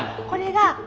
これが。